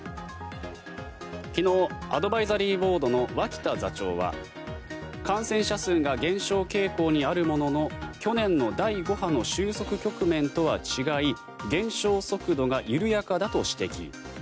昨日、アドバイザリーボードの脇田座長は感染者数が減少傾向にあるものの去年の第５波の収束局面とは違い減少速度が緩やかだと指摘。